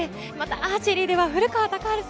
アーチェリーでは古川高晴選